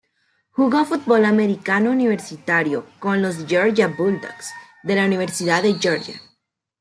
Jugó fútbol americano universitario con los Georgia Bulldogs de la Universidad de Georgia.